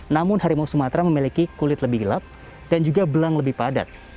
namun harimau sumatera memiliki kulit lebih gelap dan juga belang lebih padat